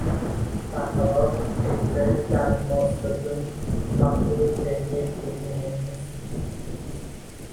بر خلاف توییتر، در ماستودون محدود به یک گزینه نیستید